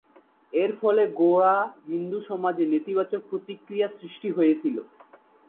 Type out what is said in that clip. এর ফলে গোঁড়া হিন্দু সমাজে নেতিবাচক প্রতিক্রিয়া সৃষ্টি হয়েছিল।